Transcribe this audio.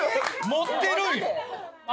持ってるんや。